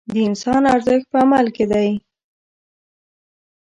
د انسان ارزښت په عمل کې دی.